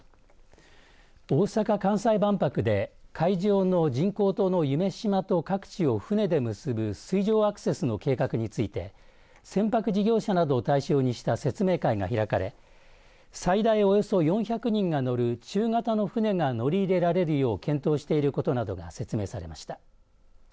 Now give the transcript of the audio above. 大阪・関西万博で会場の人工島の夢洲と各地を船で結ぶ水上アクセスの計画について船舶事業者などを対象にした説明会が開かれ最大およそ４００人が乗る中型の船が乗り入れられるよう検討していることなどが説明されました。